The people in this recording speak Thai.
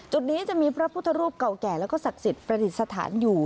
จุดนี้จะมีพระพุทธรูปเก่าแก่แล้วก็ศักดิ์สถานอยู่